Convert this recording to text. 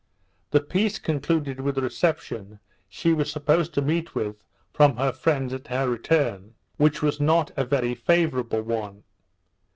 The piece concluded with the reception she was supposed to meet with from her friends at her return; which was not a very favourable one.